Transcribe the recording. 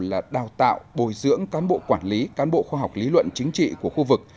là đào tạo bồi dưỡng cán bộ quản lý cán bộ khoa học lý luận chính trị của khu vực